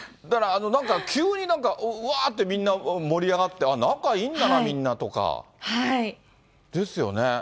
だからなんか急に、うわーってみんな盛り上がって、仲いいんだな、みんなとか、ですよね。